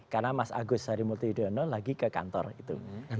karena mas agus sari multidono lagi ke kantor itu